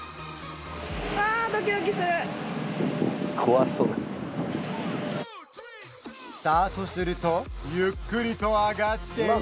怖そうだなスタートするとゆっくりと上がっていき